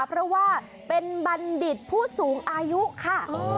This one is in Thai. เพราะว่าเป็นบัณฑิตผู้สูงอายุค่ะ